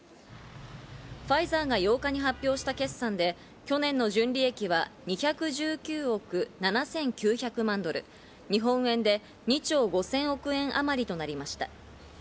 ファイザーが８日に発表した決算で去年の純利益は２１９億７９００万ドル、日本円で２兆５０００億円あまりとなりました。